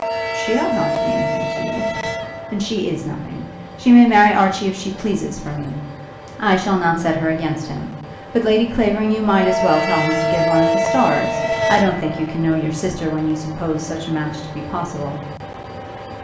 "She ought not to be anything to you." "And she is nothing. She may marry Archie, if she pleases, for me. I shall not set her against him. But, Lady Clavering, you might as well tell him to get one of the stars. I don't think you can know your sister when you suppose such a match to be possible."